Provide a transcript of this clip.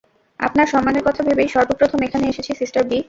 আপনার সম্মানের কথা ভেবেই সর্বপ্রথম এখানে এসেছি, সিস্টার বি।